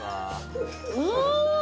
うん！